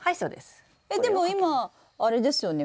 えっでも今あれですよね？